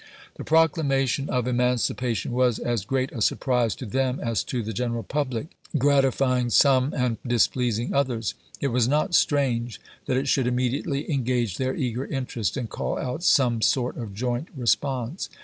The Proclamation of Emancipation was as great a surprise to them as to the general public, gratify ing some and displeasing others. It was not strange that it should immediately engage their eager interest and call out some sort of joint re sponse.